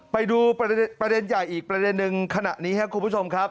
ไปดูประเด็นใหญ่อีกประเด็นนึงขณะนี้ครับคุณผู้ชมครับ